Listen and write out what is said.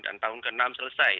dan tahun ke enam selesai